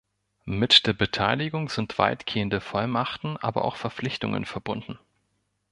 Mit der Beteiligung sind weitgehende Vollmachten, aber auch Verpflichtungen verbunden.